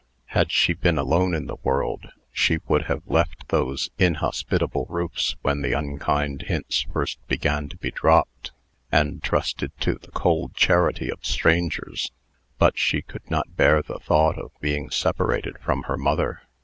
Had she been alone in the world, she would have left those inhospitable roofs when the unkind hints first began to be dropped, and trusted to the cold charity of strangers; but she could not bear the thought of being separated from her mother.